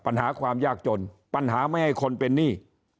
ปัญหาความยากจนปัญหาไม่ให้คนเป็นหนี้